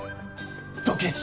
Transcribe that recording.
ドケチ！